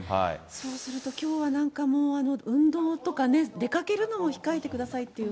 そうすると、きょうはなんかもう、運動とかね、出かけるのも控えてくださいっていう。